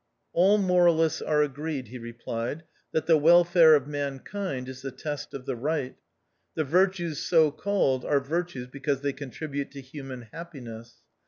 "All moralists are agreed," he replied, " that the welfare of mankind is the test of the Right. The virtues so called are virtues because they contribute to human happiness.